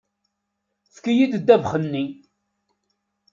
Efk-iyi-d ddabex-nni!